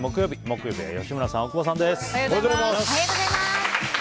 本日、木曜日は吉村さん、大久保さんです。